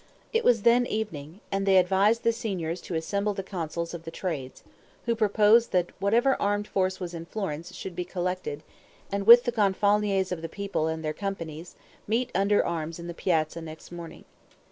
It was then evening, and they advised the signors to assemble the consuls of the trades, who proposed that whatever armed force was in Florence should be collected, and with the Gonfaloniers of the people and their companies, meet under arms in the piazza next morning.